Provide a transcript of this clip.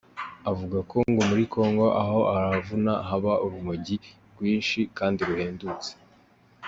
Avuga ko ngo muri Kongo aho aruvana haba urumogi rwinshi kandi ruhendutse